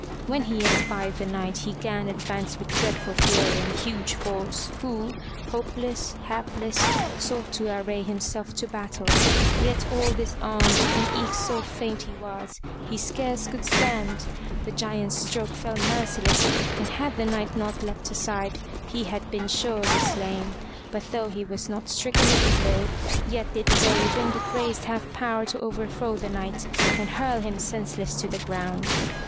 When he espied the Knight he gan advance with dreadful fury and huge force, who, hopeless, hapless, sought to array himself to battle; yet all disarmed and eke so faint he was, he scarce could stand. The Giant's stroke fell merciless and had the Knight not leapt aside, he had been surely slain, but though he was not stricken of the blow, yet did the very wind it raised have power to overthrow the Knight and hurl him senseless to the ground.